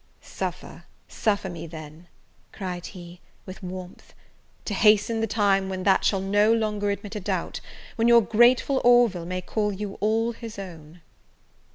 "Suffer, suffer me, then," cried he, with warmth, "to hasten the time when that shall no longer admit a doubt! when your grateful Orville may call you all his own!"